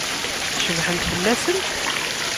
Cebḥent fell-asent?